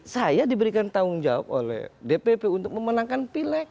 saya diberikan tanggung jawab oleh dpp untuk memenangkan pilek